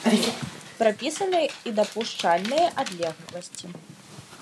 Прапісаны і дапушчальныя адлегласці.